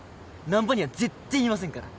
難破には絶対言いませんから。